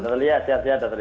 dr lia sihat sihat dr lia